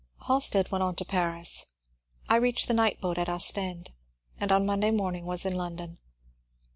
Halstead went on to Paris. I reached the night boat at Ostend, and on Monday morning was in London.